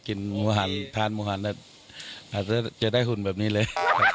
กินหมูหันทานหมูหันหาเสียได้หุ่นแบบนี้เลย